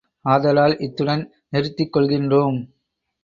ஆதலால் இத்துடன் நிறுத்திக் கொள்கின்றோம்!